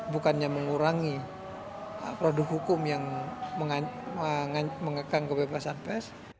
bukannya mengurangi produk hukum yang mengekang kebebasan pers